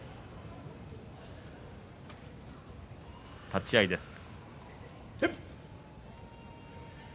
立ち合いです。